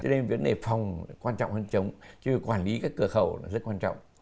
thế nên vấn đề phòng quan trọng hơn chống chứ quản lý các cửa khẩu rất quan trọng